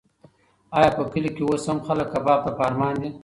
ایا په کلي کې اوس هم خلک کباب ته په ارمان دي؟